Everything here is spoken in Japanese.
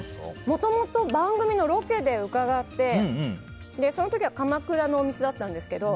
もともと番組のロケで伺ってその時は鎌倉のお店だったんですけど。